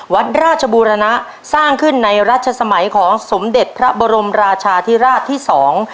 วัดราชบูรณะสร้างขึ้นในรัชสมัยของสมเด็จพระบรมราชาธิราชที่สอง